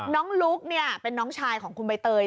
น้องลุ๊กเนี่ยเป็นน้องชายของคุณใบเตย